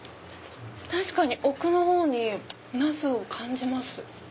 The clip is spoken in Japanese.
確かに奥のほうにナスを感じます。